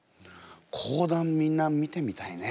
講談みんな見てみたいね？